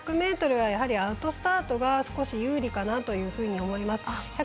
５００ｍは、やはりアウトスタートが少し有利かなというふうに思います。